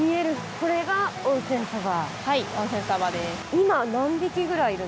これが温泉サバ。